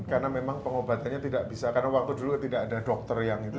karena memang pengobatannya tidak bisa karena waktu dulu tidak ada dokter yang itu